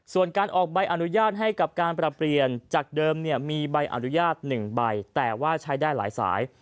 ส่วนการออกใบอนุญาตให้กับการปรับเปลี่ยนจากเดิมเนี่ยมีใบอนุญาต๑ใบแต่ว่าใช้ได้หลายสาย